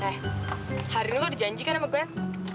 eh hari ini lo udah janjikan sama glenn